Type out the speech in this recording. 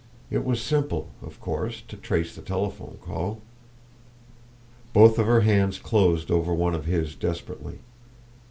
It was simple, of course, to trace the telephone call." Both of her hands closed over one of his desperately.